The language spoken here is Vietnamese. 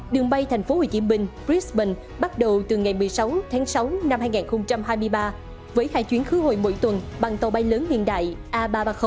đường bay tp hcm brisbank bắt đầu từ ngày một mươi sáu tháng sáu năm hai nghìn hai mươi ba với hai chuyến khứ hồi mỗi tuần bằng tàu bay lớn hiện đại a ba trăm ba mươi